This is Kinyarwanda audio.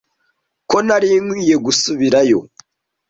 ko nari nkwiye gusubirayo